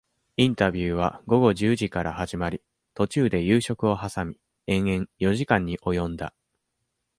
インタビューは、午後十時から始まり、途中で夕食をはさみ、延々、四時間に及んだ。